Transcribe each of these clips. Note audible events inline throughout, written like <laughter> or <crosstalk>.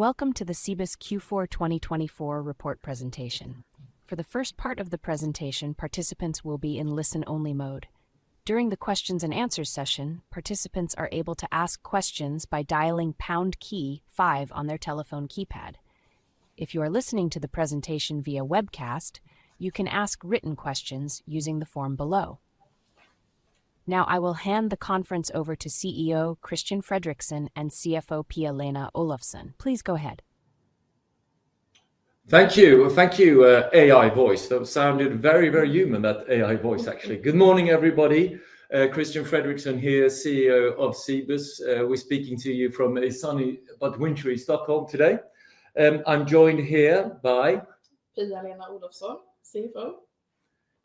Welcome to the Cibus Q4 2024 report presentation. For the first part of the presentation, participants will be in listen-only mode. During the Q&A session, participants are able to ask questions by dialing pound key five on their telephone keypad. If you are listening to the presentation via webcast, you can ask written questions using the form below. Now, I will hand the conference over to CEO Christian Fredrixon and CFO Pia-Lena Olofsson. Please go ahead. Thank you, thank you, AI voice. That sounded very, very human, that AI voice, actually. Good morning, everybody. Christian Fredrixon here, CEO of Cibus. We're speaking to you from a sunny but wintry Stockholm today. I'm joined here by... Pia-Lena Olofsson, CFO.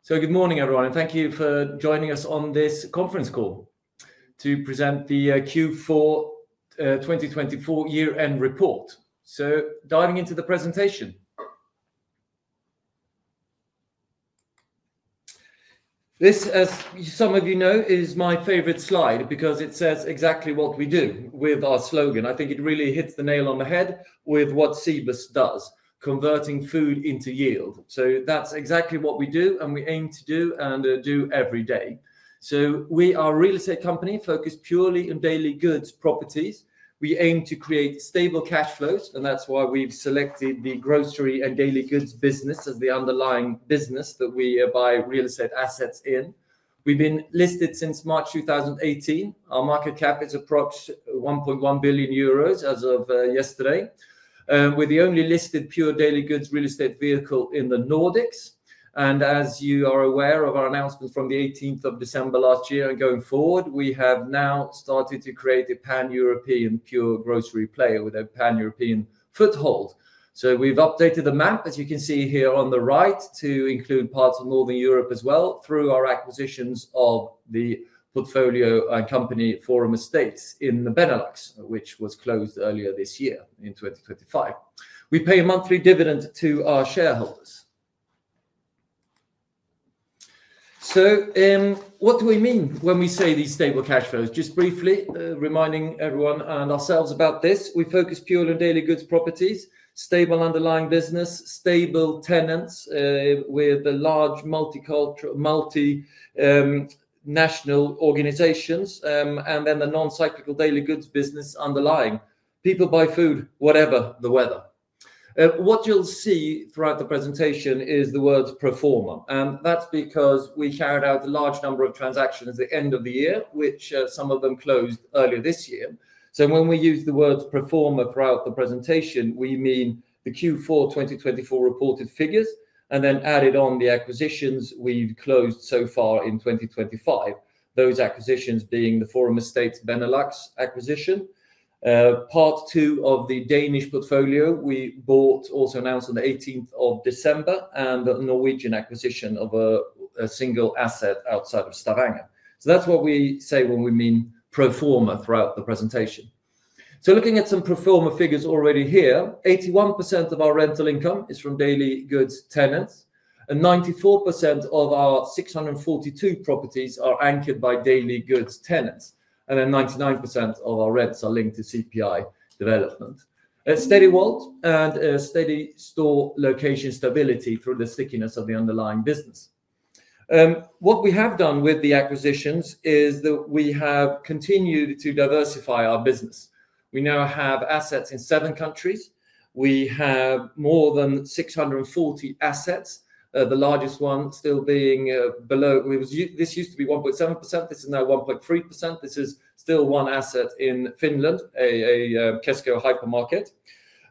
Good morning, everyone, and thank you for joining us on this conference call to present the Q4 2024 year-end report. Diving into the presentation. This, as some of you know, is my favorite slide because it says exactly what we do with our slogan. I think it really hits the nail on the head with what Cibus does: converting food into yield. That's exactly what we do, and we aim to do, and do every day. We are a real estate company focused purely on daily goods properties. We aim to create stable cash flows, and that's why we've selected the grocery and daily goods business as the underlying business that we buy real estate assets in. We've been listed since March 2018. Our market cap is approaching 1.1 billion euros as of yesterday. We're the only listed pure daily goods real estate vehicle in the Nordics. And as you are aware of our announcement from the 18th of December of last year and going forward, we have now started to create a pan-European pure grocery player with a pan-European foothold. So we've updated the map, as you can see here on the right, to include parts of Northern Europe as well through our acquisitions of the portfolio company Forum Estates in the Benelux, which was closed earlier this year in 2025. We pay a monthly dividend to our shareholders. So what do we mean when we say these stable cash flows? Just briefly reminding everyone and ourselves about this: we focus purely on daily goods properties, stable underlying business, stable tenants with large multinational organizations, and then the non-cyclical daily goods business underlying. People buy food, whatever the weather. What you'll see throughout the presentation is the word "pro forma," and that's because we carried out a large number of transactions at the end of the year, which some of them closed earlier this year. So when we use the word "pro forma" throughout the presentation, we mean the Q4 2024 reported figures and then added on the acquisitions we've closed so far in 2025, those acquisitions being the Forum Estates Benelux acquisition, part two of the Danish portfolio we bought, also announced on the 18th of December, and the Norwegian acquisition of a single asset outside of Stavanger. So that's what we say when we mean "pro forma" throughout the presentation. looking at some pro forma figures already here: 81% of our rental income is from daily goods tenants, and 94% of our 642 properties are anchored by daily goods tenants, and then 99% of our rents are linked to CPI development. A steady value and a steady store location stability through the stickiness of the underlying business. What we have done with the acquisitions is that we have continued to diversify our business. We now have assets in seven countries. We have more than 640 assets, the largest one still being below this used to be 1.7%. This is now 1.3%. This is still one asset in Finland, a Kesko hypermarket,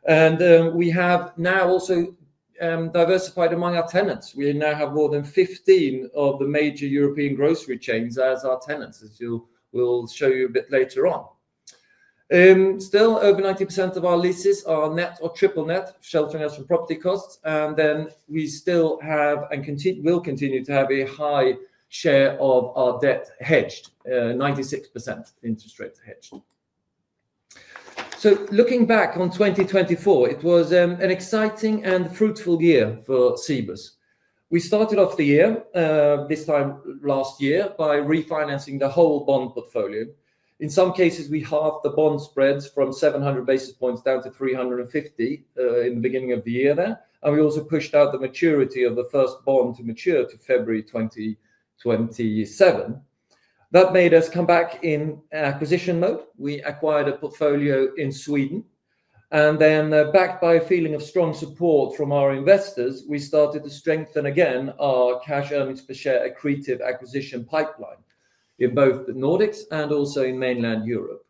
and we have now also diversified among our tenants. We now have more than 15 of the major European grocery chains as our tenants, as we'll show you a bit later on. Still, over 90% of our leases are net or triple net, sheltering us from property costs, and then we still have and will continue to have a high share of our debt hedged, 96% interest rate hedged. Looking back on 2024, it was an exciting and fruitful year for Cibus. We started off the year this time last year by refinancing the whole bond portfolio. In some cases, we halved the bond spreads from 700 basis points down to 350 in the beginning of the year there, and we also pushed out the maturity of the first bond to mature to February 2027. That made us come back in acquisition mode. We acquired a portfolio in Sweden, and then, backed by a feeling of strong support from our investors, we started to strengthen again our cash earnings per share accretive acquisition pipeline in both the Nordics and also in mainland Europe.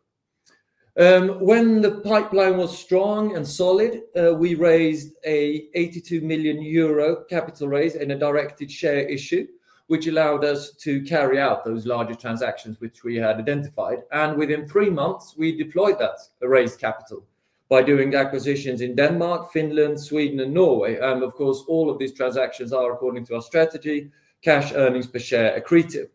When the pipeline was strong and solid, we raised an 82 million euro capital raise in a directed share issue, which allowed us to carry out those larger transactions which we had identified. And within three months, we deployed that raised capital by doing acquisitions in Denmark, Finland, Sweden, and Norway. And of course, all of these transactions are, according to our strategy, cash earnings per share accretive.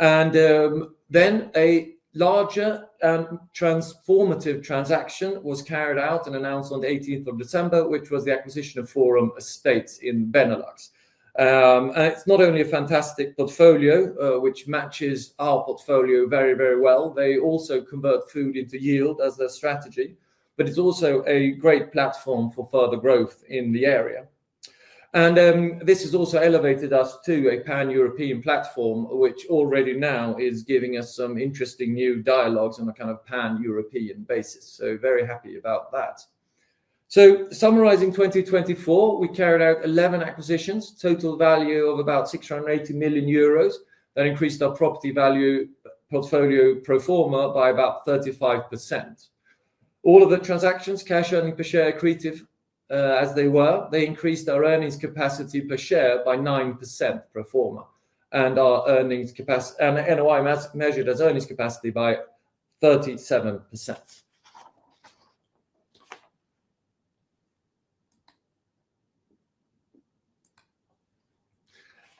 And then a larger transformative transaction was carried out and announced on the 18th of December, which was the acquisition of Forum Estates in Benelux. And it's not only a fantastic portfolio, which matches our portfolio very, very well. They also convert food into yield as their strategy, but it's also a great platform for further growth in the area. And this has also elevated us to a pan-European platform, which already now is giving us some interesting new dialogues on a kind of pan-European basis. So very happy about that. So summarizing 2024, we carried out 11 acquisitions, total value of about 680 million euros. That increased our property value portfolio pro forma by about 35%. All of the transactions, cash earnings per share accretive as they were, they increased our earnings capacity per share by 9% pro forma, and our earnings capacity measured as earnings capacity by 37%,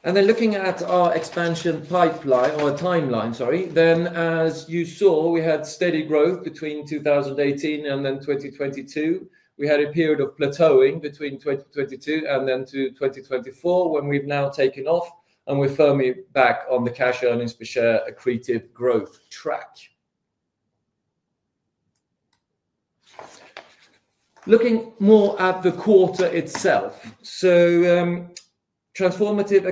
and then looking at our expansion pipeline or timeline, sorry, then as you saw, we had steady growth between 2018 and then 2022. We had a period of plateauing between 2022 and then to 2024, when we've now taken off and we're firmly back on the cash earnings per share accretive growth track. Looking more at the quarter itself, so transformative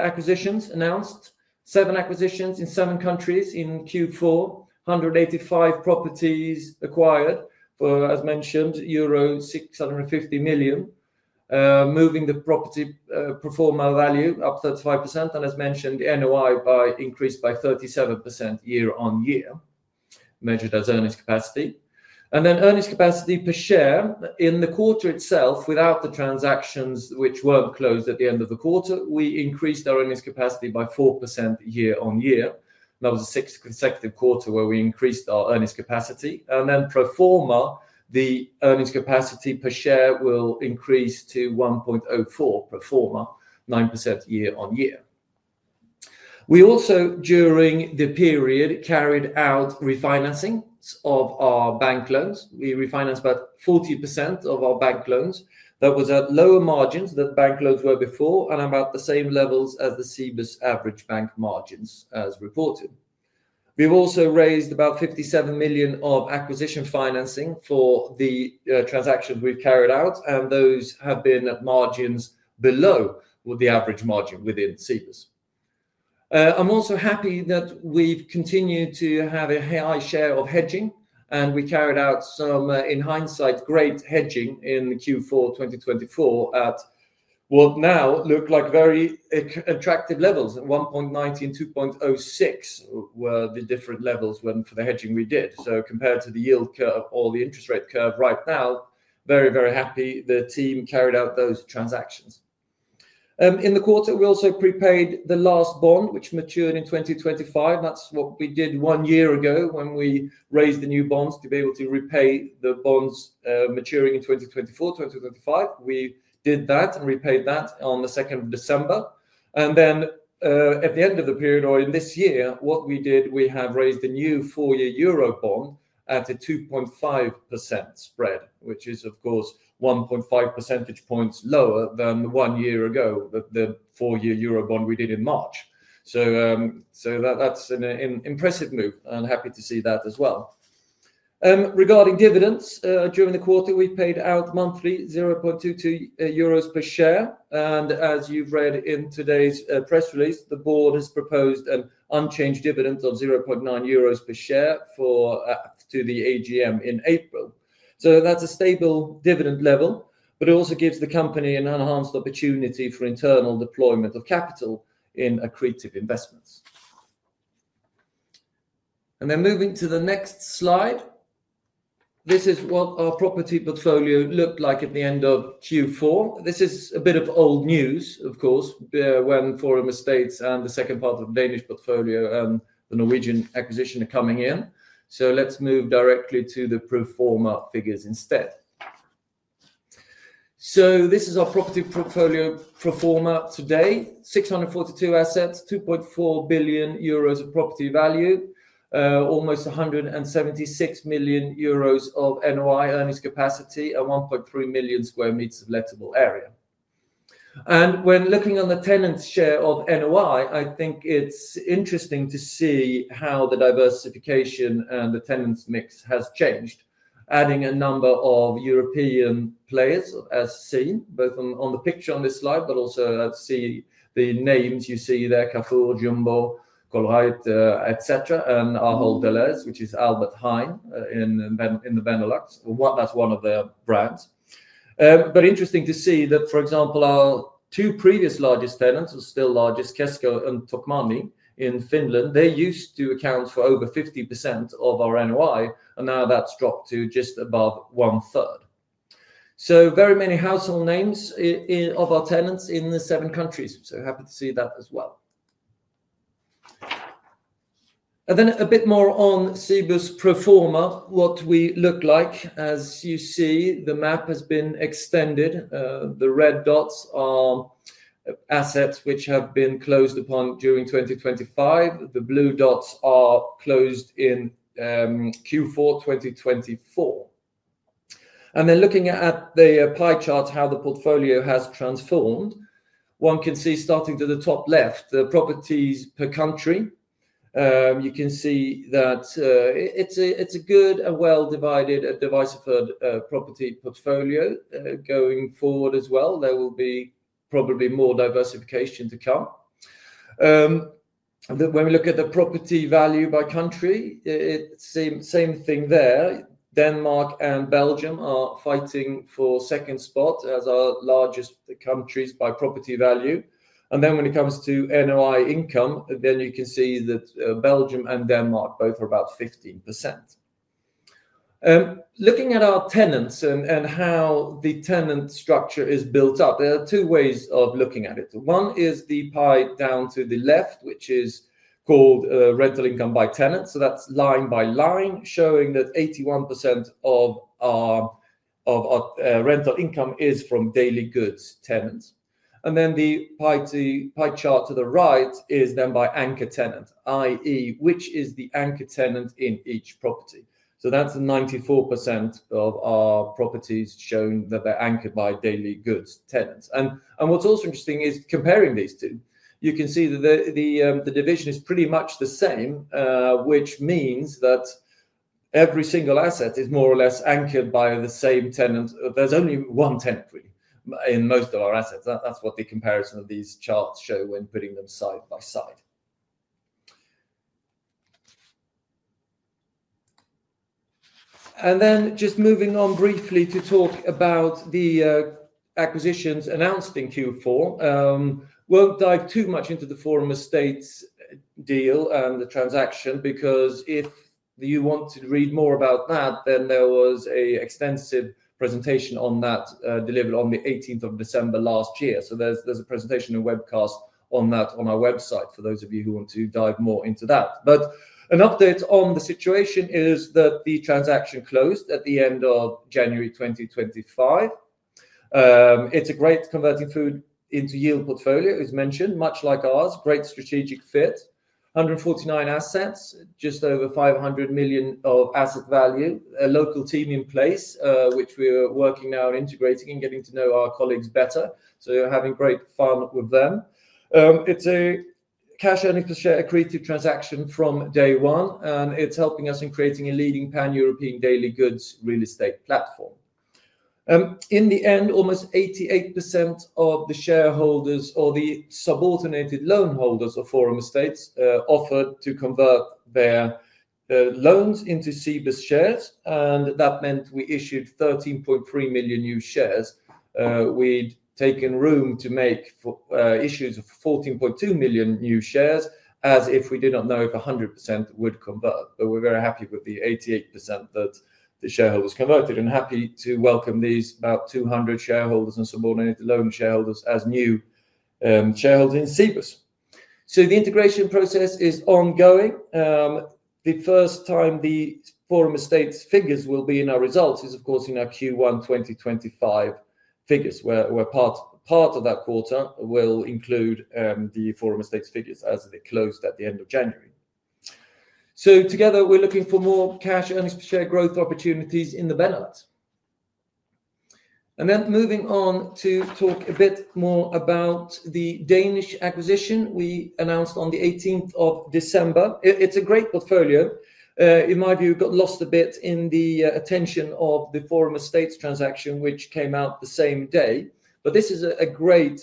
acquisitions announced, seven acquisitions in seven countries in Q4, 185 properties acquired for, as mentioned, euro 650 million, moving the property pro forma value up 35%, and as mentioned, NOI increased by 37% year-on-year, measured as earnings capacity. And then earnings capacity per share in the quarter itself, without the transactions which weren't closed at the end of the quarter, we increased our earnings capacity by 4% year-on-year. That was a sixth consecutive quarter where we increased our earnings capacity. And then pro forma, the earnings capacity per share will increase to 1.04 pro forma, 9% year-on-year. We also, during the period, carried out refinancing of our bank loans. We refinanced about 40% of our bank loans. That was at lower margins than bank loans were before and about the same levels as the Cibus average bank margins, as reported. We've also raised about 57 million of acquisition financing for the transactions we've carried out, and those have been at margins below the average margin within Cibus. I'm also happy that we've continued to have a high share of hedging, and we carried out some, in hindsight, great hedging in Q4 2024 at what now look like very attractive levels. 1.90-2.06 were the different levels for the hedging we did. So compared to the yield curve or the interest rate curve right now, very, very happy the team carried out those transactions. In the quarter, we also prepaid the last bond, which matured in 2025. That's what we did one year ago when we raised the new bonds to be able to repay the bonds maturing in 2024, 2025. We did that and repaid that on the 2nd of December. Then at the end of the period, or in this year, what we did, we have raised a new four-year Euro bond at a 2.5% spread, which is, of course, 1.5 percentage points lower than one year ago, the four-year Euro bond we did in March. So that's an impressive move, and happy to see that as well. Regarding dividends, during the quarter, we paid out monthly 0.22 euros per share. And as you've read in today's press release, the board has proposed an unchanged dividend of 0.9 euros per share to the AGM in April. So that's a stable dividend level, but it also gives the company an enhanced opportunity for internal deployment of capital in accretive investments. And then moving to the next slide, this is what our property portfolio looked like at the end of Q4. This is a bit of old news, of course, when Forum Estates and the second part of the Danish portfolio and the Norwegian acquisition are coming in. So let's move directly to the pro forma figures instead. So this is our property portfolio pro forma today: 642 assets, 2.4 billion euros of property value, almost 176 million euros of NOI earnings capacity, and 1.3 million square meters of lettable area. And when looking on the tenants' share of NOI, I think it's interesting to see how the diversification and the tenants' mix has changed, adding a number of European players, as seen both on the picture on this slide, but also I see the names you see there: Carrefour, Jumbo, Colruyt, etc., and our largest, which is Albert Heijn in the Benelux. That's one of their brands. But interesting to see that, for example, our two previous largest tenants, or still largest, Kesko and Tokmanni in Finland, they used to account for over 50% of our NOI, and now that's dropped to just above one third, so very many household names of our tenants in the seven countries, so happy to see that as well. And then a bit more on Cibus pro forma, what we look like. As you see, the map has been extended. The red dots are assets which have been closed on during 2025. The blue dots are closed in Q4 2024, and then looking at the pie chart, how the portfolio has transformed, one can see starting to the top left, the properties per country. You can see that it's a good and well-divided, diversified property portfolio going forward as well. There will be probably more diversification to come. When we look at the property value by country, same thing there. Denmark and Belgium are fighting for second spot as our largest countries by property value. And then when it comes to NOI income, then you can see that Belgium and Denmark both are about 15%. Looking at our tenants and how the tenant structure is built up, there are two ways of looking at it. One is the pie down to the left, which is called rental income by tenants. So that's line by line, showing that 81% of our rental income is from daily goods tenants. And then the pie chart to the right is then by anchor tenant, i.e., which is the anchor tenant in each property. So that's 94% of our properties shown that they're anchored by daily goods tenants. What's also interesting is comparing these two. You can see that the division is pretty much the same, which means that every single asset is more or less anchored by the same tenant. There's only one tenant, really, in most of our assets. That's what the comparison of these charts show when putting them side by side. Just moving on briefly to talk about the acquisitions announced in Q4. Won't dive too much into the Forum Estates deal and the transaction, because if you want to read more about that, then there was an extensive presentation on that delivered on the 18th of December last year. There's a presentation and webcast on that on our website for those of you who want to dive more into that. An update on the situation is that the transaction closed at the end of January 2025. It's a great converting food into yield portfolio, as mentioned, much like ours, great strategic fit, 149 assets, just over 500 million of asset value, a local team in place, which we are working now on integrating and getting to know our colleagues better. So we're having great fun with them. It's a cash earnings per share accretive transaction from day one, and it's helping us in creating a leading pan-European daily goods real estate platform. In the end, almost 88% of the shareholders or the subordinated loan holders of Forum Estates offered to convert their loans into Cibus shares. And that meant we issued 13.3 million new shares. We'd taken room to make issues of 14.2 million new shares as if we did not know if 100% would convert. But we're very happy with the 88% that the shareholders converted and happy to welcome these about 200 shareholders and subordinated loan shareholders as new shareholders in Cibus. So the integration process is ongoing. The first time the Forum Estates figures will be in our results is, of course, in our Q1 2025 figures, where part of that quarter will include the Forum Estates figures as they closed at the end of January. So together, we're looking for more cash earnings per share growth opportunities in the Benelux. And then moving on to talk a bit more about the Danish acquisition we announced on the 18th of December. It's a great portfolio. In my view, it got lost a bit in the attention of the Forum Estates transaction, which came out the same day. But this is a great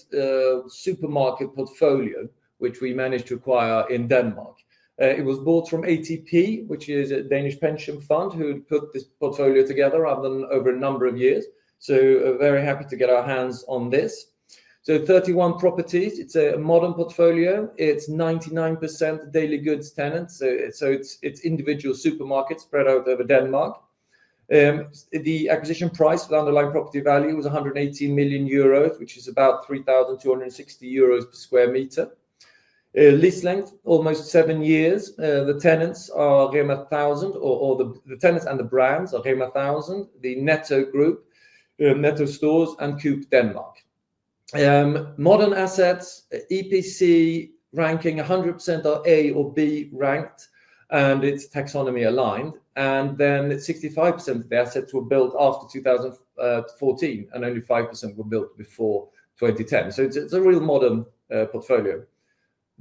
supermarket portfolio, which we managed to acquire in Denmark. It was bought from ATP, which is a Danish pension fund who had put this portfolio together over a number of years. So very happy to get our hands on this. So 31 properties. It's a modern portfolio. It's 99% daily goods tenants. So it's individual supermarkets spread out over Denmark. The acquisition price for the underlying property value was 118 million euros, which is about 3,260 euros per sq m. Lease length, almost seven years. The tenants are Rema 1000, or the tenants and the brands are Rema 1000, the Netto Group, Netto Stores, and Coop Denmark. Modern assets, EPC ranking 100% are A or B ranked, and it's taxonomy aligned. And then 65% of the assets were built after 2014, and only 5% were built before 2010. So it's a real modern portfolio.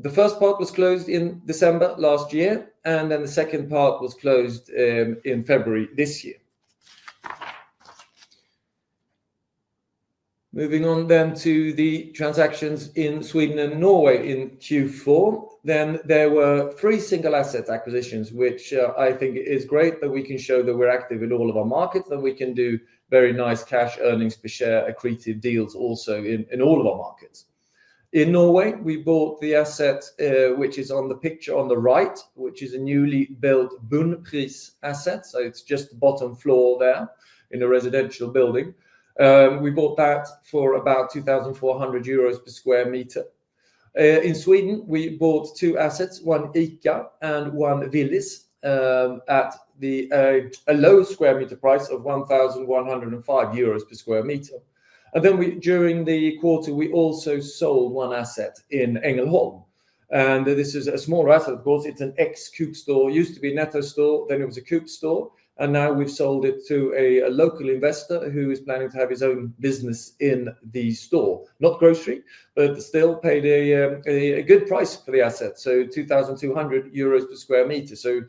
The first part was closed in December last year, and then the second part was closed in February this year. Moving on then to the transactions in Sweden and Norway in Q4, then there were three single asset acquisitions, which I think is great that we can show that we're active in all of our markets and we can do very nice cash earnings per share accretive deals also in all of our markets. In Norway, we bought the asset, which is on the picture on the right, which is a newly built Bunnpris asset. So it's just the bottom floor there in a residential building. We bought that for about 2,400 euros per square meter. In Sweden, we bought two assets, one ICA and one Willys, at a low square meter price of 1,105 euros per square meter. And then during the quarter, we also sold one asset in Ängelholm. This is a smaller asset, of course. It's an ex-Coop store. It used to be a Netto store, then it was a Coop store. Now we've sold it to a local investor who is planning to have his own business in the store. Not grocery, but still paid a good price for the asset, so 2,200 euros per sq m.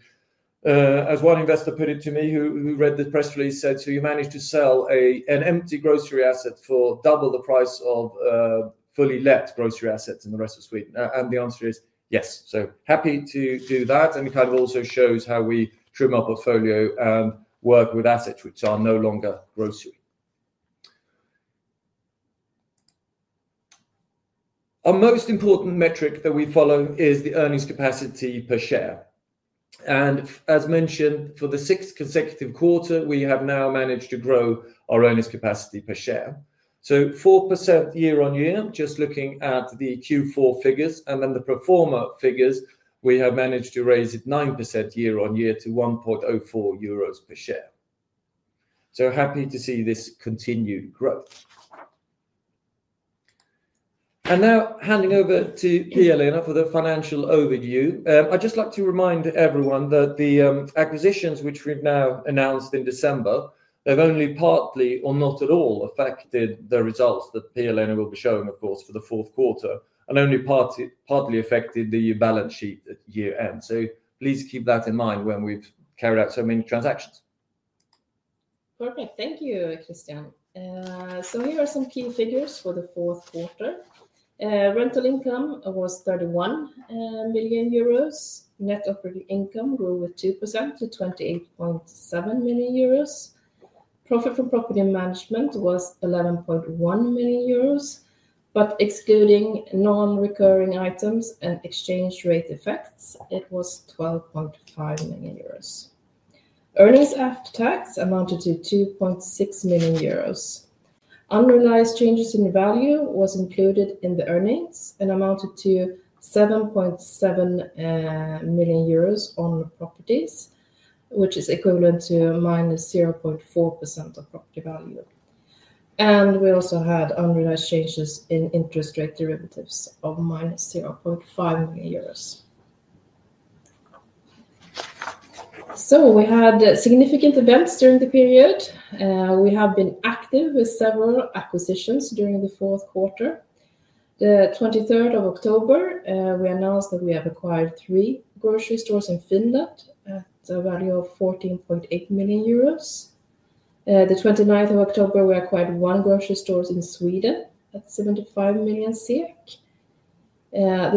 As one investor put it to me who read the press release, he said, "So you managed to sell an empty grocery asset for double the price of fully let grocery assets in the rest of Sweden?" The answer is yes. Happy to do that. It kind of also shows how we trim our portfolio and work with assets which are no longer grocery. Our most important metric that we follow is the earnings capacity per share. As mentioned, for the sixth consecutive quarter, we have now managed to grow our earnings capacity per share. 4% year-on-year, just looking at the Q4 figures. Then the pro forma figures, we have managed to raise it 9% year-on-year to 1.04 euros per share. Happy to see this continued growth. Now handing over to Pia-Lena for the financial overview. I'd just like to remind everyone that the acquisitions which we've now announced in December have only partly or not at all affected the results that Pia-Lena will be showing, of course, for the fourth quarter, and only partly affected the year balance sheet at year-end. Please keep that in mind when we've carried out so many transactions. Perfect. Thank you, Christian. Here are some key figures for the fourth quarter. Rental income was 31 million euros. Net operating income grew with 2% to 28.7 million euros. Profit from property management was 11.1 million euros. But excluding non-recurring items and exchange rate effects, it was 12.5 million euros. Earnings after tax amounted to 2.6 million euros. Unrealized changes in value were included in the earnings and amounted to 7.7 million euros on properties, which is equivalent to minus 0.4% of property value. And we also had unrealized changes in interest rate derivatives of minus 0.5 million euros. So we had significant events during the period. We have been active with several acquisitions during the fourth quarter. The 23rd of October, we announced that we have acquired three grocery stores in Finland at a value of 14.8 million euros. The 29th of October, we acquired one grocery store in Sweden at 75 million. The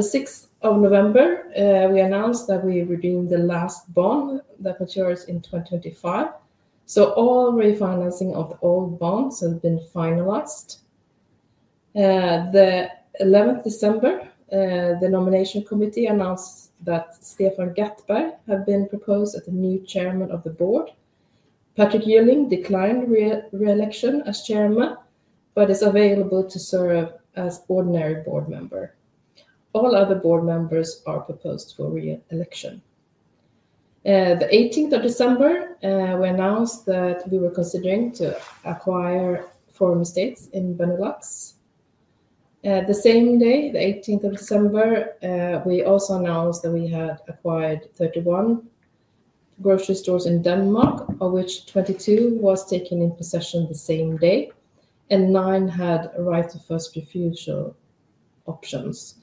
6th of November, we announced that we redeemed the last bond that matures in 2025. So all refinancing of the old bonds has been finalized. The 11th of December, the nomination committee announced that Stefan Gattberg had been proposed as the new chairman of the board. Patrick Gylling declined reelection as chairman, but is available to serve as ordinary board member. All other board members are proposed for reelection. The 18th of December, we announced that we were considering to acquire Forum Estates in Benelux. The same day, the 18th of December, we also announced that we had acquired 31 grocery stores in Denmark, of which 22 were taken in possession the same day, and nine had right of first refusal options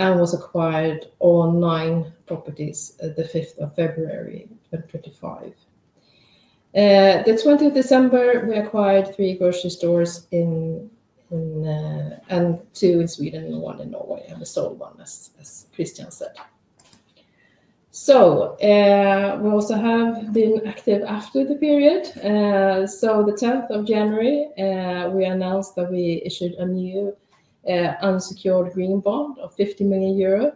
and were acquired on nine properties the 5th of February 2025. The 20th of December, we acquired three grocery stores and two in Sweden and one in Norway, and we sold one, as Christian said. We also have been active after the period. The 10th of January, we announced that we issued a new unsecured green bond of 50 million euro.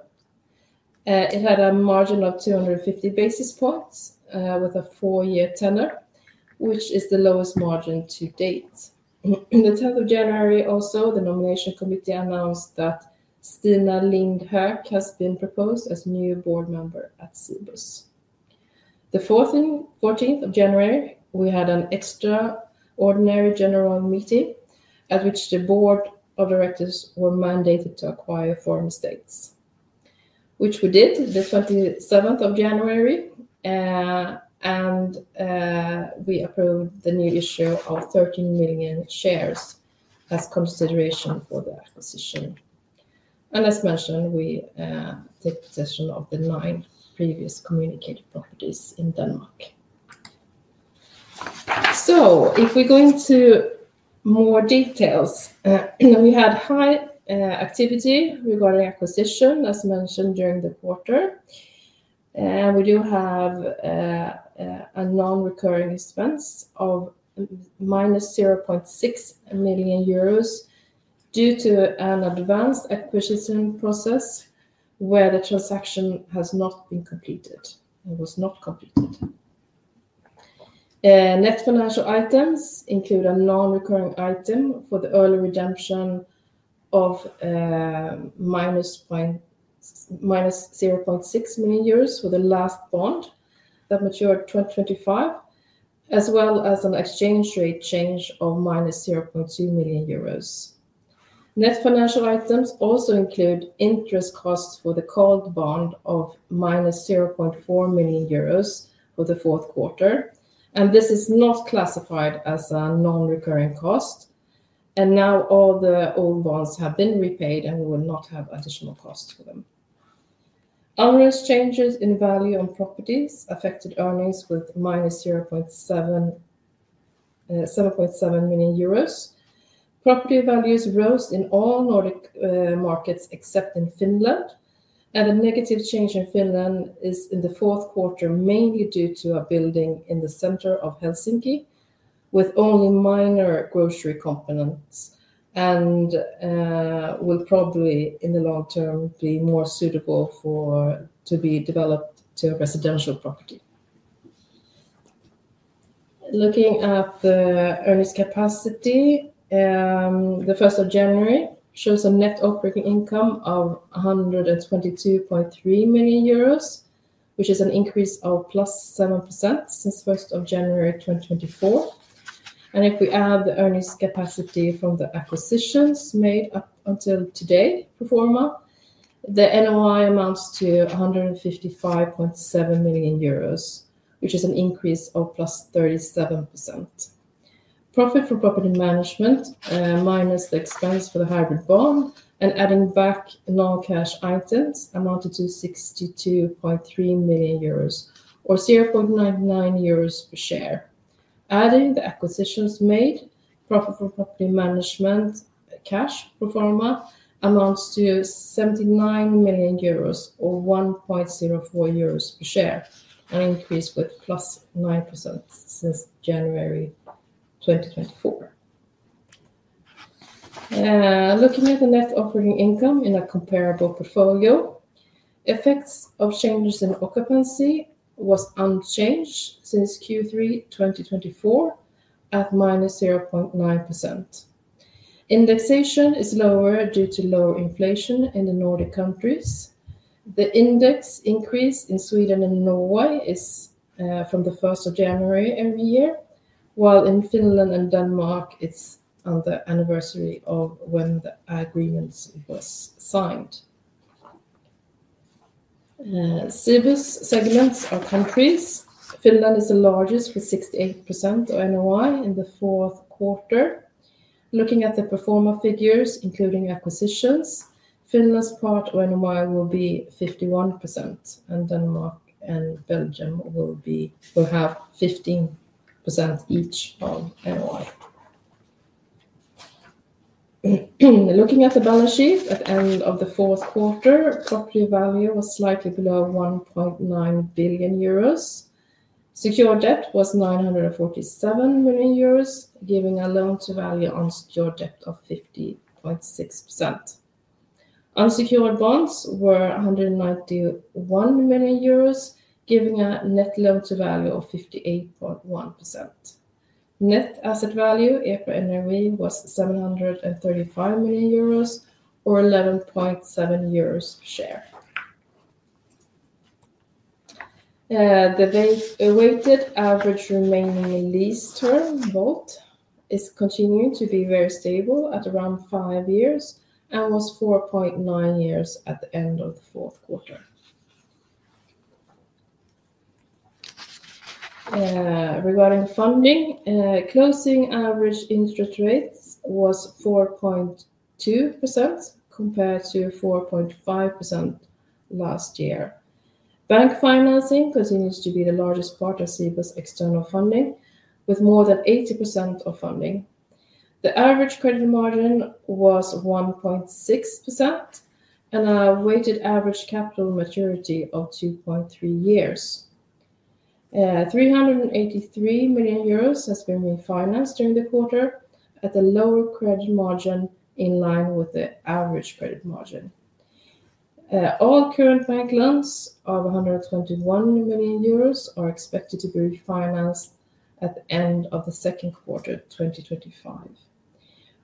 It had a margin of 250 basis points with a four-year tenor, which is the lowest margin to date. The 10th of January, also, the nomination committee announced that Stina Lindh Hök has been proposed as new board member at Cibus. The 14th of January, we had an extraordinary general meeting at which the board of directors were mandated to acquire Forum Estates, which we did the 27th of January. And we approved the new issue of 13 million shares as consideration for the acquisition. And as mentioned, we took possession of the nine previously communicated properties in Denmark. If we go into more details, we had high activity regarding acquisition, as mentioned during the quarter. We do have a non-recurring expense of -0.6 million euros due to an abandoned acquisition process where the transaction has not been completed and was not completed. Net financial items include a non-recurring item for the early redemption of -0.6 million for the last bond that matured in 2025, as well as an exchange rate change of -0.2 million euros. Net financial items also include interest costs for the green bond of -0.4 million euros for the fourth quarter, and this is not classified as a non-recurring cost, and now all the old bonds have been repaid, and we will not have additional costs for them. Unrealized changes in value on properties affected earnings with -0.7 million euros. Property values rose in all Nordic markets except in Finland. A negative change in Finland is in the fourth quarter, mainly due to a building in the center of Helsinki with only minor grocery components and will probably in the long term be more suitable to be developed to a residential property. Looking at the earnings capacity, the 1st of January shows a net operating income of 122.3 million euros, which is an increase of +7% since 1st of January 2024. If we add the earnings capacity from the acquisitions made up until today for Forum, the NOI amounts to 155.7 million euros, which is an increase of +37%. Profit from property management minus the expense for the hybrid bond and adding back non-cash items amounted to 62.3 million euros or 0.99 euros per share. Adding the acquisitions made, profit from property management pro forma amounts to 79 million euros or 1.04 euros per share, an increase with +9% since January 2024. Looking at the net operating income in a comparable portfolio, effects of changes in occupancy were unchanged since Q3 2024 at -0.9%. Indexation is lower due to lower inflation in the Nordic countries. The index increase in Sweden and Norway is from the 1st of January every year, while in Finland and Denmark, it's on the anniversary of when the agreement was signed. Cibus segments are countries. Finland is the largest with 68% of NOI in the fourth quarter. Looking at the pro forma figures, including acquisitions, Finland's part of NOI will be 51%, and Denmark and Belgium will have 15% each of NOI. Looking at the balance sheet at the end of the fourth quarter, property value was slightly below 1.9 billion euros. Secured debt was 947 million euros, giving a loan-to-value of 50.6%. Unsecured bonds were 191 million euros, giving a net loan-to-value of 58.1%. Net Asset Value EPRA NRV was 735 million euros or 11.7 euros per share. The weighted average remaining lease term, WAULT, is continuing to be very stable at around five years and was 4.9 years at the end of the fourth quarter. Regarding funding, average interest rates were 4.2% compared to 4.5% last year. Bank financing continues to be the largest part of Cibus external funding, with more than 80% of funding. The average credit margin was 1.6% and a weighted average capital maturity of 2.3 years. 383 million euros has been refinanced during the quarter at a lower credit margin in line with the average credit margin. All current bank loans of 121 million euros are expected to be refinanced at the end of the second quarter 2025.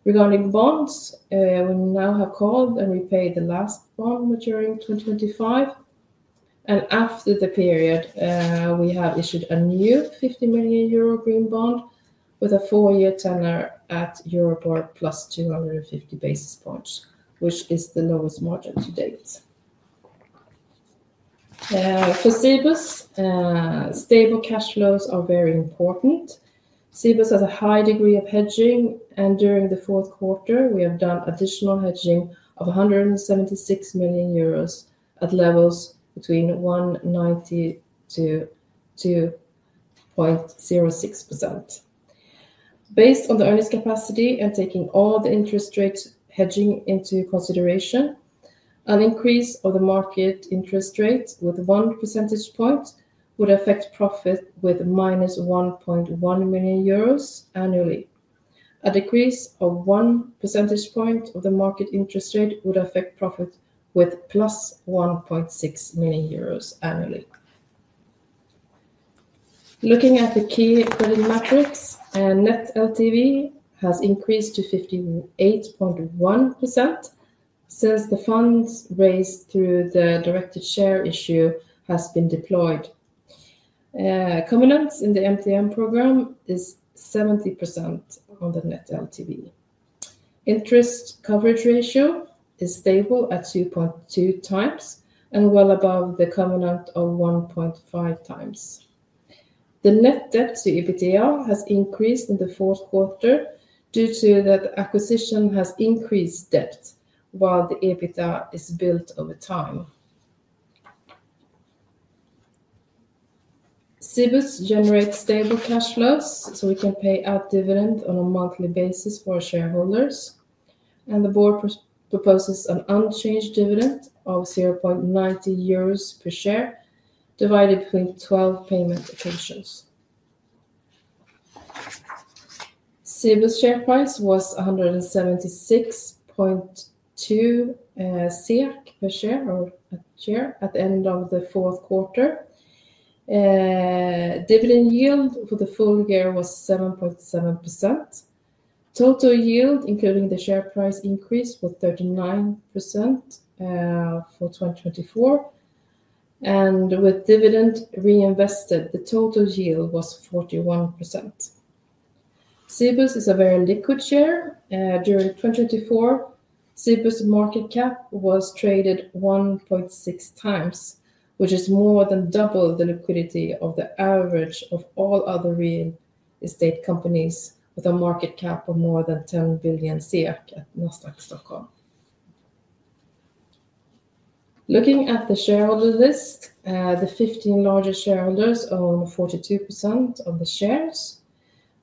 Regarding bonds, we now have called and repaid the last bond maturing 2025, and after the period, we have issued a new 50 million euro green bond with a four-year tenor at Euribor plus 250 basis points, which is the lowest margin to date. For Cibus, stable cash flows are very important. Cibus has a high degree of hedging, and during the fourth quarter, we have done additional hedging of 176 million euros at levels between 1.90%-2.06%. Based on the earnings capacity and taking all the interest rate hedging into consideration, an increase of the market interest rate with one percentage point would affect profit with minus 1.1 million euros annually. A decrease of one percentage point of the market interest rate would affect profit with plus 1.6 million euros annually. Looking at the key credit metrics, net LTV has increased to 58.1% since the funds raised through the directed share issue have been deployed. Covenants in the MTN program are 70% on the net LTV. Interest coverage ratio is stable at 2.2x and well above the covenant of 1.5x. The net debt to EBITDA has increased in the fourth quarter due to the acquisition, which has increased debt, while the EBITDA is built over time. Cibus generates stable cash flows, so we can pay out dividends on a monthly basis for shareholders. The board proposes an unchanged dividend of 0.90 euros per share divided between 12 payment occasions. Cibus share price was 176.2 per share at the end of the fourth quarter. Dividend yield for the full year was 7.7%. Total yield, including the share price increase, was 39% for 2024. With dividend reinvested, the total yield was 41%. Cibus is a very liquid share. During 2024, Cibus market cap was traded 1.6 times, which is more than double the liquidity of the average of all other real estate companies with a market cap of more than €10 billion at Nasdaq Stockholm. Looking at the shareholder list, the 15 largest shareholders own 42% of the shares.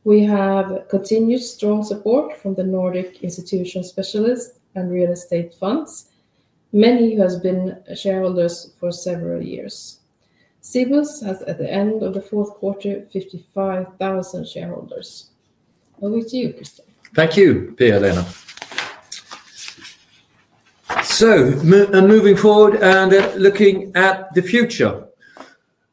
We have continued strong support from the Nordic Institutional Specialists and Real Estate Funds, many who have been shareholders for several years. Cibus has, at the end of the fourth quarter, 55,000 shareholders. Over to you, Christian. Thank you, Pia-Lena. Moving forward and looking at the future,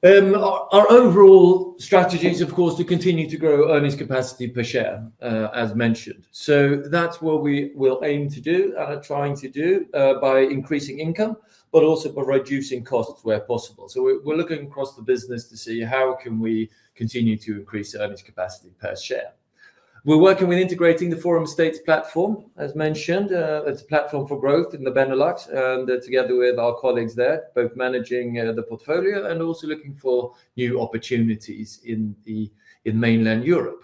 our overall strategy is, of course, to continue to grow earnings capacity per share, as mentioned. That is what we will aim to do and are trying to do by increasing income, but also by reducing costs where possible. We are looking across the business to see how we can continue to increase earnings capacity per share. We are working with integrating the Forum Estates platform, as mentioned, as a platform for growth in the Benelux, and together with our colleagues there, both managing the portfolio and also looking for new opportunities in mainland Europe.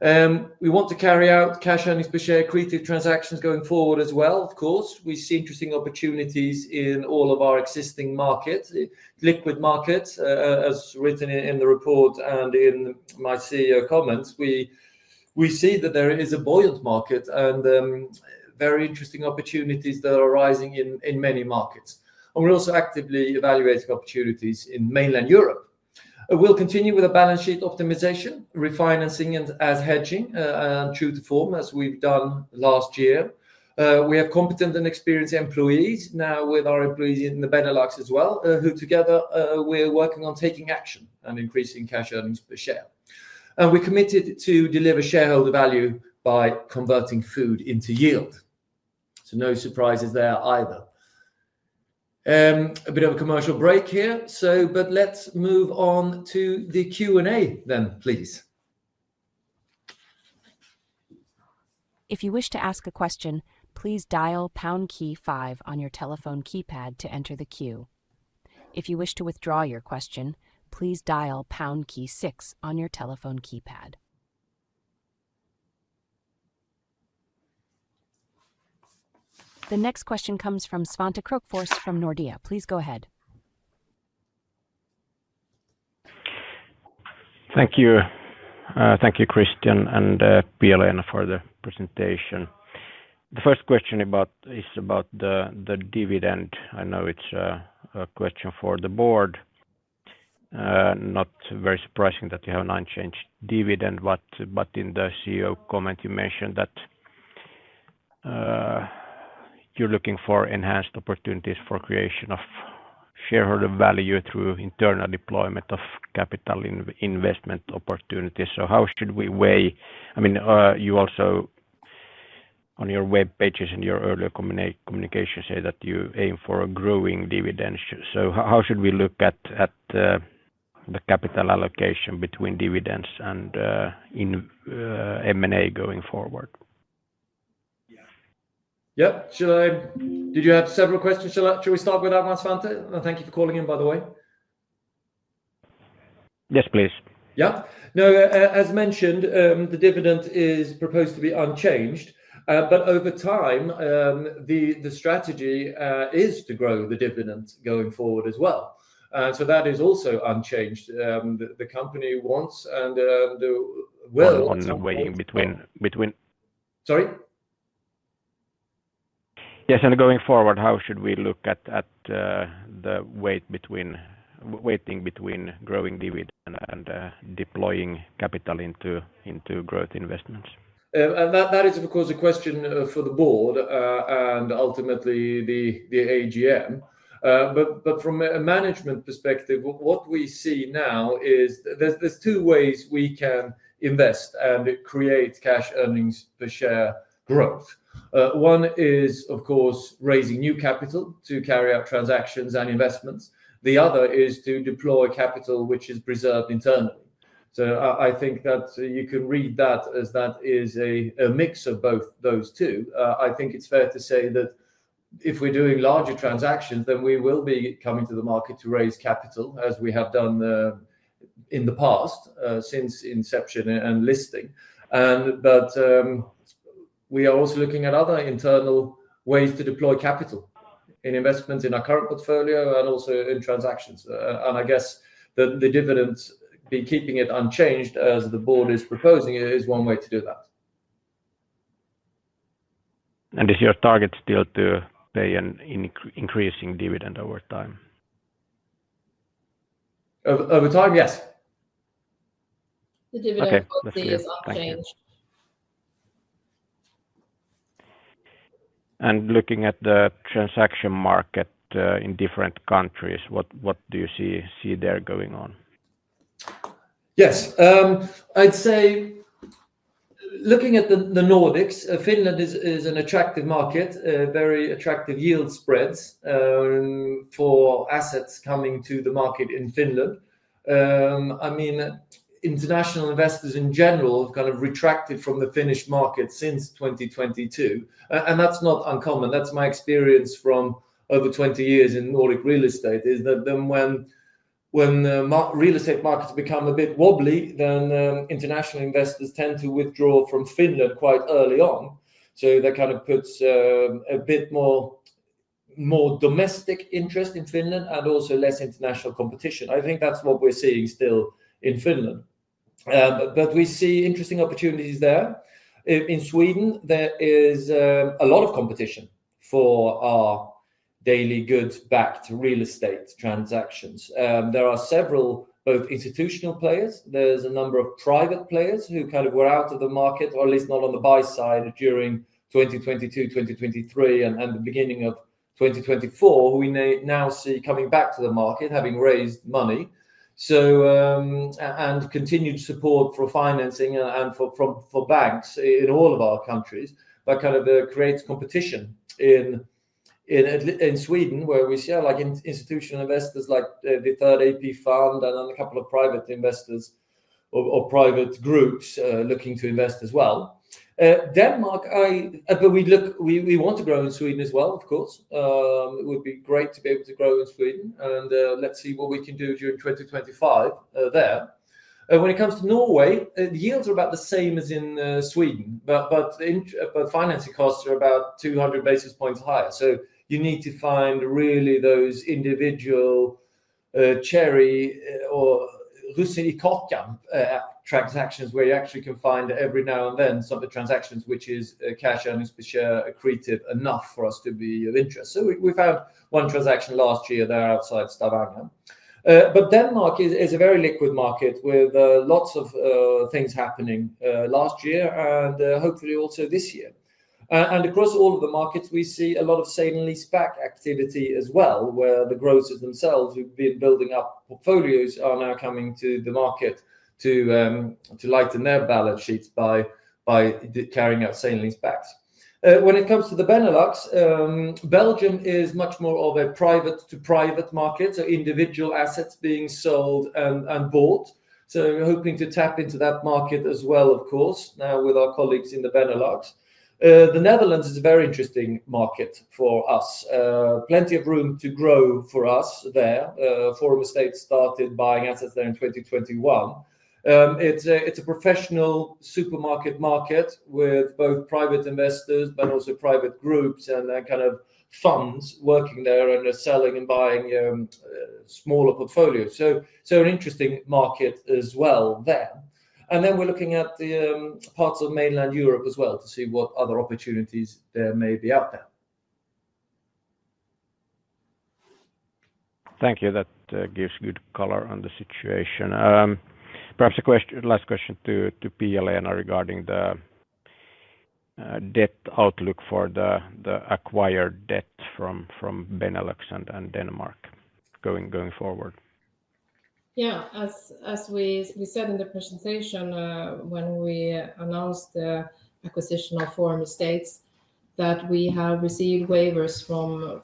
We want to carry out cash earnings per share accretive transactions going forward as well. Of course, we see interesting opportunities in all of our existing markets, liquid markets, as written in the report and in my CEO comments. We see that there is a buoyant market and very interesting opportunities that are arising in many markets. We are also actively evaluating opportunities in mainland Europe. We'll continue with a balance sheet optimization, refinancing and as hedging true to form as we've done last year. We have competent and experienced employees now with our employees in the Benelux as well, who together we're working on taking action and increasing cash earnings per share. And we're committed to deliver shareholder value by converting food into yield. So no surprises there either. A bit of a commercial break here. But let's move on to the Q&A then, please. If you wish to ask a question, please dial pound key five on your telephone keypad to enter the queue. If you wish to withdraw your question, please dial pound key six on your telephone keypad. The next question comes from Svante Krokfors from Nordea. Please go ahead. Thank you. Thank you, Christian and Pia-Lena for the presentation. The first question is about the dividend. I know it's a question for the board. Not very surprising that you have an unchanged dividend, but in the CEO comment, you mentioned that you're looking for enhanced opportunities for creation of shareholder value through internal deployment of capital investment opportunities. So how should we weigh? I mean, you also on your web pages and your earlier communications say that you aim for a growing dividend. So how should we look at the capital allocation between dividends and M&A going forward? Yeah. Yeah. Did you have several questions? Shall we start with that one, Svante? And thank you for calling in, by the way. Yes, please. Yeah. No, as mentioned, the dividend is proposed to be unchanged. But over time, the strategy is to grow the dividend going forward as well. So that is also unchanged. The company wants and will. I'm waiting between. Sorry? Yes. Going forward, how should we look at the weighing between growing dividend and deploying capital into growth investments? That is, of course, a question for the board and ultimately the AGM. From a management perspective, what we see now is there's two ways we can invest and create cash earnings per share growth. One is, of course, raising new capital to carry out transactions and investments. The other is to deploy capital which is preserved internally. I think that you can read that as that is a mix of both those two. I think it's fair to say that if we're doing larger transactions, then we will be coming to the market to raise capital as we have done in the past since inception and listing. We are also looking at other internal ways to deploy capital in investments in our current portfolio and also in transactions. I guess the dividend, keeping it unchanged as the board is proposing, is one way to do that. Is your target still to pay an increasing dividend over time? Over time, yes. The dividend policy is unchanged. Looking at the transaction market in different countries, what do you see there going on? Yes. I'd say looking at the Nordics, Finland is an attractive market, very attractive yield spreads for assets coming to the market in Finland. I mean, international investors in general have kind of retracted from the Finnish market since 2022. That's not uncommon. That's my experience from over 20 years in Nordic real estate, is that when real estate markets become a bit wobbly, then international investors tend to withdraw from Finland quite early on. So that kind of puts a bit more domestic interest in Finland and also less international competition. I think that's what we're seeing still in Finland. But we see interesting opportunities there. In Sweden, there is a lot of competition for our daily goods-backed real estate transactions. There are several both institutional players. There's a number of private players who kind of were out of the market, or at least not on the buy side during 2022, 2023, and the beginning of 2024, who we now see coming back to the market, having raised money. Continued support for financing and for banks in all of our countries that kind of creates competition in Sweden, where we see institutional investors like the Third AP Fund and a couple of private investors or private groups looking to invest as well. Denmark, we want to grow in Sweden as well, of course. It would be great to be able to grow in Sweden. Let's see what we can do during 2025 there. When it comes to Norway, the yields are about the same as in Sweden, but financing costs are about 200 basis points higher. You need to find really those individual cherry-pick or single-asset transactions where you actually can find every now and then some of the transactions which is cash earnings per share accretive enough for us to be of interest. We found one transaction last year there outside Stavanger. But Denmark is a very liquid market with lots of things happening last year and hopefully also this year. And across all of the markets, we see a lot of sale-leaseback activity as well, where the grocers themselves who've been building up portfolios are now coming to the market to lighten their balance sheets by carrying out sale-leaseback. When it comes to the Benelux, Belgium is much more of a private-to-private market, so individual assets being sold and bought. So we're hoping to tap into that market as well, of course, now with our colleagues in the Benelux. The Netherlands is a very interesting market for us. Plenty of room to grow for us there. Forum Estates started buying assets there in 2021. It's a professional supermarket market with both private investors, but also private groups and kind of funds working there and selling and buying smaller portfolios. So an interesting market as well there. And then we're looking at the parts of mainland Europe as well to see what other opportunities there may be out there. Thank you. That gives good color on the situation. Perhaps a last question to Pia-Lena regarding the debt outlook for the acquired debt from Benelux and Denmark going forward. Yeah. As we said in the presentation when we announced the acquisition of Forum Estates, that we have received waivers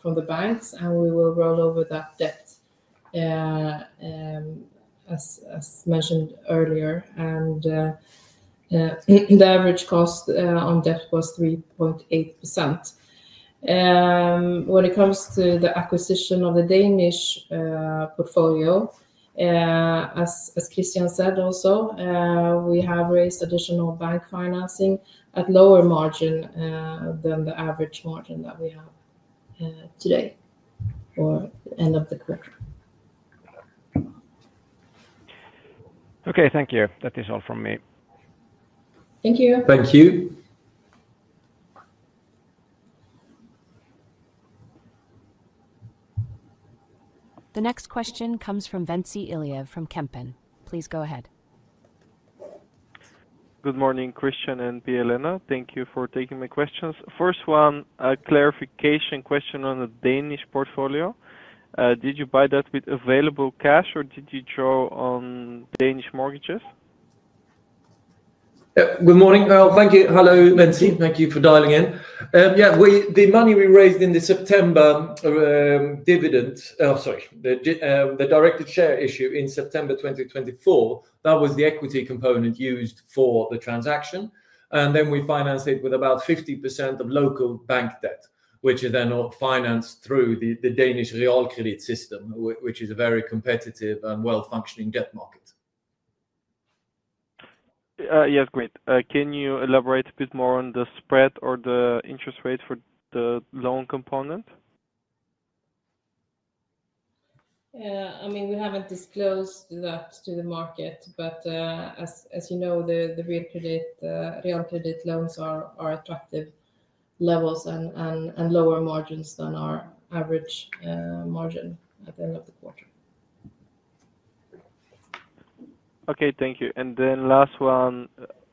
from the banks and we will roll over that debt, as mentioned earlier. And the average cost on debt was 3.8%. When it comes to the acquisition of the Danish portfolio, as Christian said also, we have raised additional bank financing at lower margin than the average margin that we have today or end of the quarter. Okay. Thank you. That is all from me. Thank you. Thank you. The next question comes from Venci Elieff from Kempen. Please go ahead. Good morning, Christian and Pia-Lena. Thank you for taking my questions. First one, a clarification question on the Danish portfolio. Did you buy that with available cash or did you draw on Danish mortgages? Good morning. Thank you. Hello, Venci. Thank you for dialing in. Yeah. The money we raised in the September dividend, sorry, the directed share issue in September 2024, that was the equity component used for the transaction. And then we financed it with about 50% of local bank debt, which is then financed through the Danish real credit system, which is a very competitive and well-functioning debt market. Yes, great. Can you elaborate a bit more on the spread or the interest rate for the loan component? I mean, we haven't disclosed that to the market, but as you know, the real credit loans are attractive levels and lower margins than our average margin at the end of the quarter. Okay. Thank you. And then last one.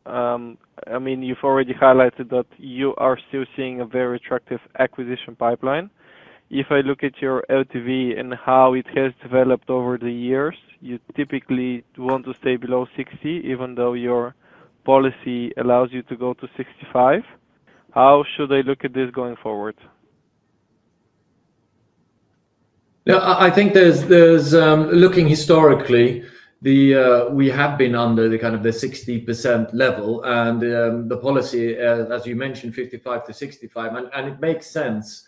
I mean, you've already highlighted that you are still seeing a very attractive acquisition pipeline. If I look at your LTV and how it has developed over the years, you typically want to stay below 60%, even though your policy allows you to go to 65%. How should I look at this going forward? I think looking historically, we have been under kind of the 60% level and the policy, as you mentioned, 55%-65%, and it makes sense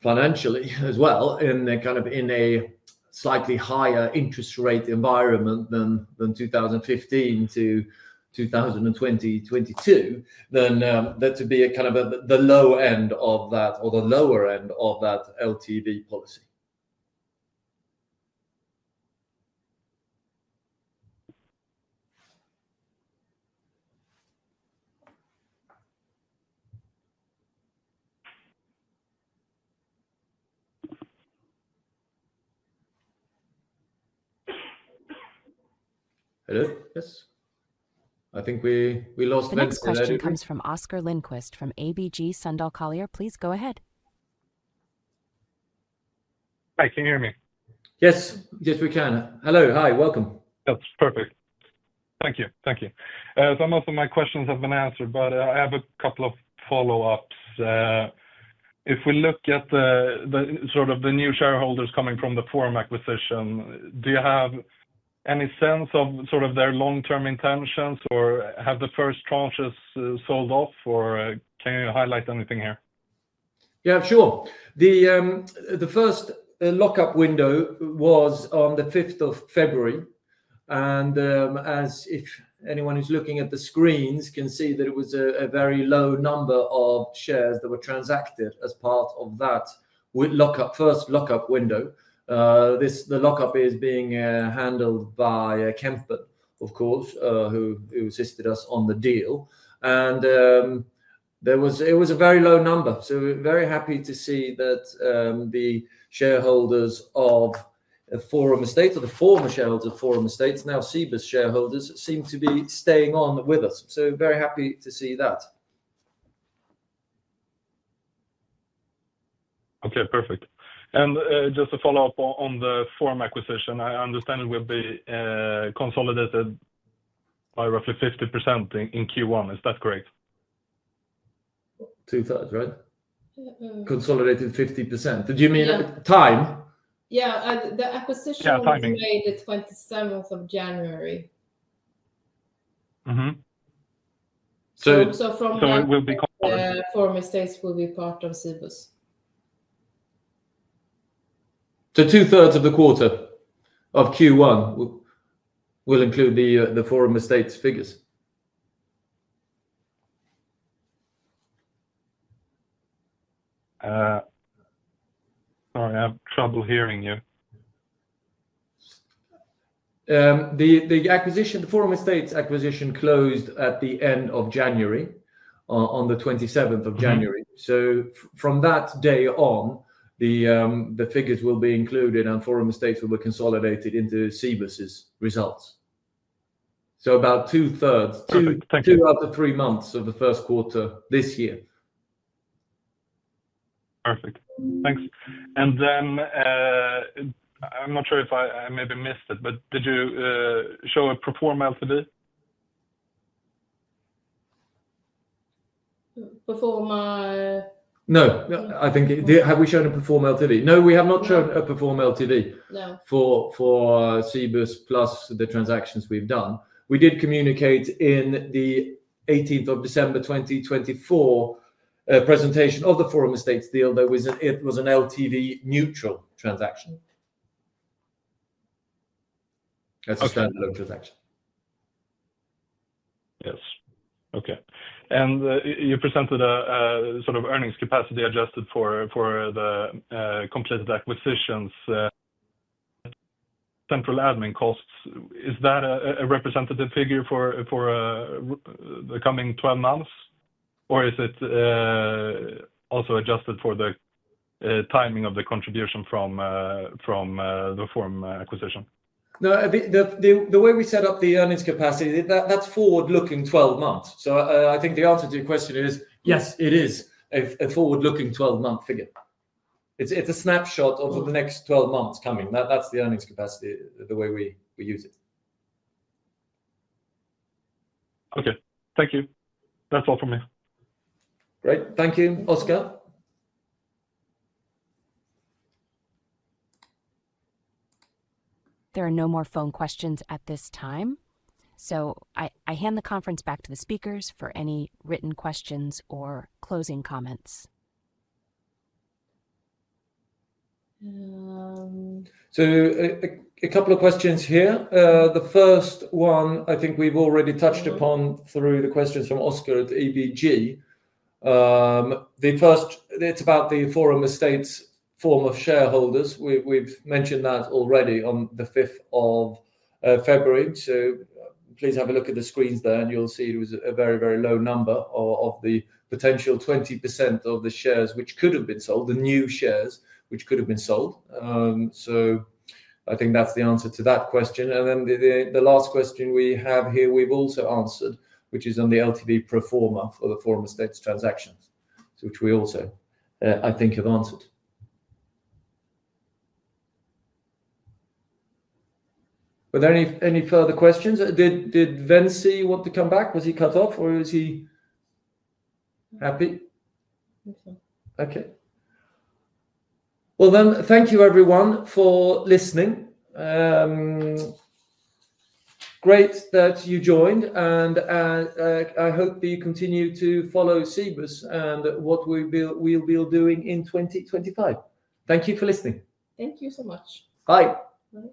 financially as well in kind of a slightly higher interest rate environment than 2015 to 2020, 2022, than that to be kind of the low end of that or the lower end of that LTV policy. Hello? Yes. I think we lost Venci. The next question comes from Oscar Lindquist from ABG Sundal Collier. Please go ahead. Hi. Can you hear me? Yes. Yes, we can. Hello. Hi. Welcome. That's perfect. Thank you. Thank you. Some of my questions have been answered, but I have a couple of follow-ups. If we look at sort of the new shareholders coming from the Forum acquisition, do you have any sense of sort of their long-term intentions or have the first tranches sold off or can you highlight anything here? Yeah, sure. The first lockup window was on the 5th of February, and as if anyone who's looking at the screens can see that it was a very low number of shares that were transacted as part of that first lockup window. The lockup is being handled by Kempen, of course, who assisted us on the deal, and it was a very low number. Very happy to see that the shareholders of Forum Estates, or the former shareholders of Forum Estates, now Cibus shareholders, seem to be staying on with us. Very happy to see that. Okay. Perfect. And just to follow up on the Forum acquisition, I understand it will be consolidated by roughly 50% in Q1. Is that correct? 2/3, right? Consolidated 50%. Do you mean time? Yeah. The acquisition was made the 27th of January. <crosstalk> Forum Estates will be part of Cibus. So 2/3 of the quarter of Q1 will include the Forum Estates figures. Sorry, I have trouble hearing you. The Forum Estates acquisition closed at the end of January, on the 27th of January. So from that day on, the figures will be included and Forum Estates will be consolidated into Cibus's results. So about 2/3, two out of three months of the first quarter this year. Perfect. Thanks. And then I'm not sure if I maybe missed it, but did you show a pro forma LTV? Pro forma? No. I think have we shown a pro forma LTV? No, we have not shown a pro forma LTV for Cibus plus the transactions we've done. We did communicate in the 18th of December 2024 presentation of the Forum Estates deal that it was an LTV neutral transaction. That's a standalone transaction. Yes. Okay. And you presented a sort of earnings capacity adjusted for the completed acquisitions central admin costs. Is that a representative figure for the coming 12 months? Or is it also adjusted for the timing of the contribution from the Forum acquisition? No, the way we set up the earnings capacity, that's forward-looking 12 months. So I think the answer to your question is, yes, it is a forward-looking 12-month figure. It's a snapshot of the next 12 months coming. That's the earnings capacity, the way we use it. Okay. Thank you. That's all from me. Great. Thank you, Oscar. There are no more phone questions at this time. So I hand the conference back to the speakers for any written questions or closing comments. So a couple of questions here. The first one, I think we've already touched upon through the questions from Oscar at ABG. It's about the Forum Estates lockup for shareholders. We've mentioned that already on the 5th of February. So please have a look at the screens there, and you'll see it was a very, very low number of the potential 20% of the shares which could have been sold, the new shares which could have been sold. So I think that's the answer to that question. And then the last question we have here, we've also answered, which is on the LTV pro forma for the Forum Estates transactions, which we also, I think, have answered. Were there any further questions? Did Venci want to come back? Was he cut off or was he happy? Okay. Well, thank you, everyone, for listening. Great that you joined. I hope that you continue to follow Cibus and what we'll be doing in 2025. Thank you for listening. Thank you so much. Bye. Bye.